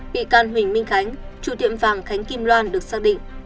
bị can huỳnh minh khánh chủ tiệm vàng khánh kim loan được xác định